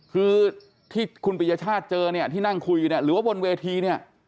คือที่คุณปริญญชาติเจอเนี่ยที่นั่งคุยเนี่ยหรือว่าบนเวทีเนี่ย